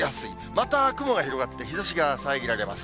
また雲が広がって、日ざしが遮られます。